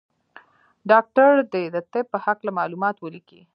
ډاکټر دي د طب په هکله معلومات ولیکي.